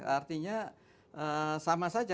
artinya sama saja